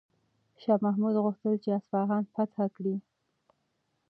شاه محمود غوښتل چې اصفهان فتح کړي.